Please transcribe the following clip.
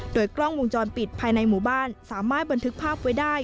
โดยกล้องวงจรปิดภายในหมู่บ้านสามารถบันทึกภาพไว้ได้